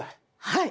はい。